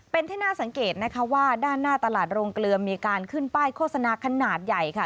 เป็นที่น่าสังเกตนะคะว่าด้านหน้าตลาดโรงเกลือมีการขึ้นป้ายโฆษณาขนาดใหญ่ค่ะ